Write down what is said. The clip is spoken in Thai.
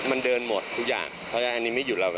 มันเดินหมดทุกอย่างเพราะฉะนั้นอันนี้ไม่หยุดเรา